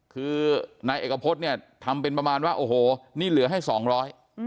คือนายเอกพฤษเนี่ยทำเป็นประมาณว่าโอ้โหนี่เหลือให้สองร้อย